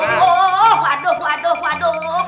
aduh aduh aduh aduh